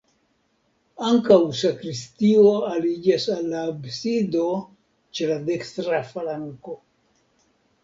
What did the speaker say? Ankaŭ sakristio aliĝas al la absido ĉe la dekstra flanko.